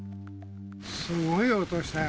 すごい音したよ。